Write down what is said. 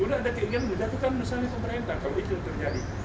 udah ada keinginan mendatukan misalnya pemerintah kalau itu terjadi